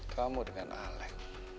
kamu dengan alec